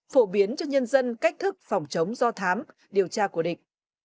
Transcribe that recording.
phổ biến cho nhân dân cách thức phòng chống do thám điều tra của địch